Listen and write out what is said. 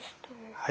はい。